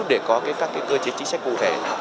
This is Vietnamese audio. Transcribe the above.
để có các cơ chế chính sách cụ thể